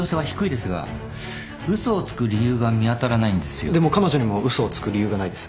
でも彼女にも嘘をつく理由がないです。